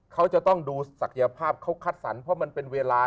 เขาจะต้องดูศักยภาพเขาคัดสรรเพราะมันเป็นเวลา